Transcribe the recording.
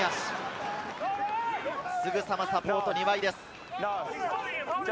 すぐさまサポート、２枚です。